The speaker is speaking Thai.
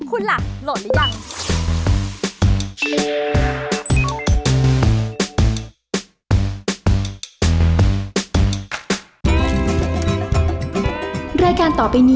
คุณหลักหลดหรือยัง